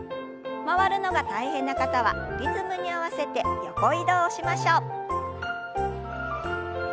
回るのが大変な方はリズムに合わせて横移動をしましょう。